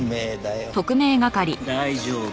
大丈夫。